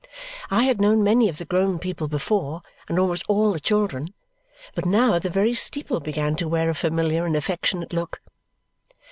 I had known many of the grown people before and almost all the children, but now the very steeple began to wear a familiar and affectionate look.